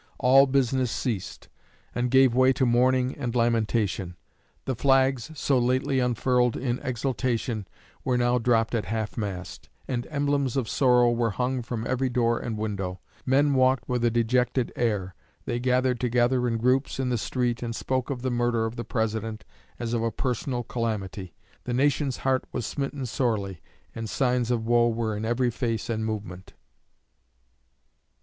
All business ceased, and gave way to mourning and lamentation. The flags, so lately unfurled in exultation, were now dropped at half mast, and emblems of sorrow were hung from every door and window. Men walked with a dejected air. They gathered together in groups in the street, and spoke of the murder of the President as of a personal calamity. The nation's heart was smitten sorely, and signs of woe were in every face and movement.